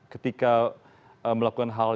ketika melakukan hal